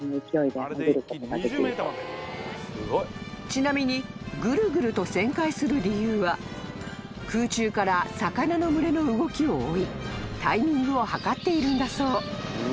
［ちなみにぐるぐると旋回する理由は空中から魚の群れの動きを追いタイミングを計っているんだそう］